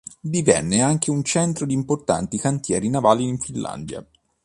Divenne anche un centro di importanti cantieri navali in Finlandia.